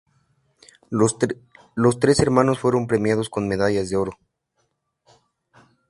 Los tres hermanos fueron premiados con medallas de oro.